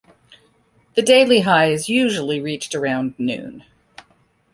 The daily high is usually reached around noon.